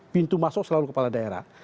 pintu masuk selalu kepala daerah